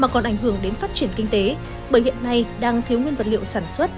còn ảnh hưởng đến phát triển kinh tế bởi hiện nay đang thiếu nguyên vật liệu sản xuất